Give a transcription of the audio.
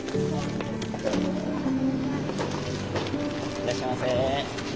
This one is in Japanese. いらっしゃいませ。